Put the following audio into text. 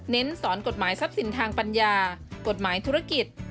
สอนกฎหมายทรัพย์สินทางปัญญากฎหมายธุรกิจ